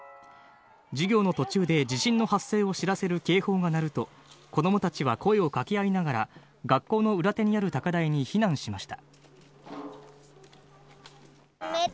授業の途中で地震の発生を知らせる警報が鳴ると、子供たちは声をかけ合いながら学校の裏手にある高台に避難しました。